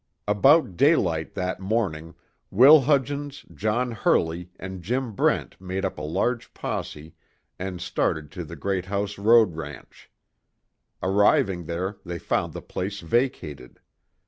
About daylight that morning, Will Hudgens, Johnny Hurley, and Jim Brent made up a large posse and started to the Greathouse road ranch. Arriving there, they found the place vacated.